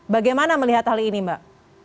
bagaimana melihat hal ini mbak